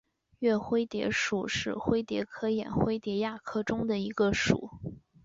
岳灰蝶属是灰蝶科眼灰蝶亚科中的一个属。